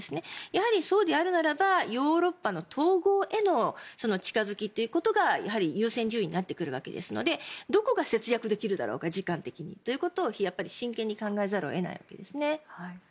やはり、そうであるならばヨーロッパの統合への近付きということが優先順位になってくるわけですのでどこが時間的に節約できるかということを真剣に考えざるを得ないですね。